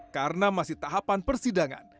karena masih tahapan persidangan